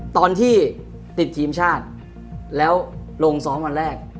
ตอนที่ติดทีมชาติแล้วลงซ้อมวันแรก